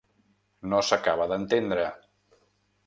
No s’acaba d’entendre….